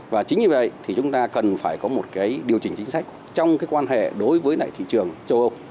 và chính vì vậy thì chúng ta cần phải có một cái điều chỉnh chính sách trong cái quan hệ đối với lại thị trường châu âu